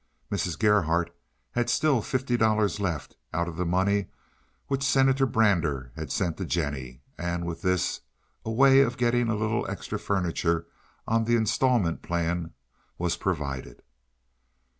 Mrs. Gerhardt had still fifty dollars left out of the money which Senator Brander had sent to Jennie, and with this a way of getting a little extra furniture on the instalment plan was provided.